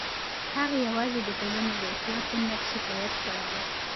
هغې یوازې د ټولنې د اصلاح په نیت شکایت کړی و.